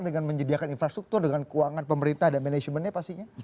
dengan menyediakan infrastruktur dengan keuangan pemerintah dan manajemennya pastinya